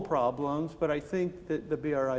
tetapi saya pikir